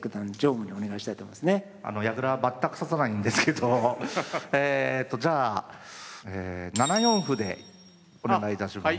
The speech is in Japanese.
矢倉全く指さないんですけどえとじゃあ７四歩でお願いいたします。